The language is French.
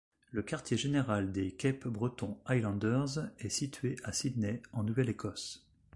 Le quartier général des Cape Breton Highlanders est situé à Sydney en Nouvelle-Écosse.